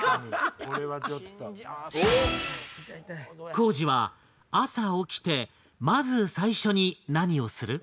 光司は朝起きてまず最初に何をする？